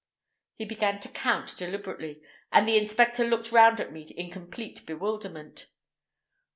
He began to count deliberately, and the inspector looked round at me in complete bewilderment.